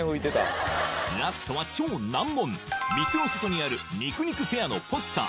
ラストは超難問店の外にある肉肉フェアのポスター